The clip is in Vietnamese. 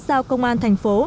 giao công an thành phố